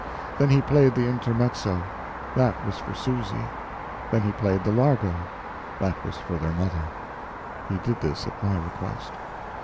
Then he played the Intermezzo; that was for Susy; then he played the Largo; that was for their mother. He did this at my request.